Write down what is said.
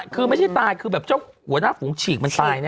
คือไม่ใช่ตายคือแบบเจ้าหัวหน้าฝูงฉีกมันตายแ